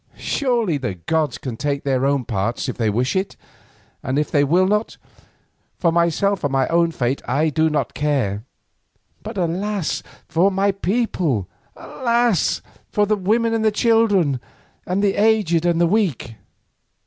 Surely the gods can take their own parts if they wish it, and if they will not, for myself and my own fate I do not care, but alas! for my people, alas! for the women and the children, the aged and the weak."